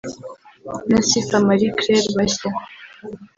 na Sifa Marie Claire bashya